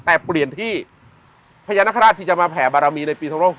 แต่เปลี่ยนที่พญานาคาราชที่จะมาแผ่บารมีในปี๒๖๖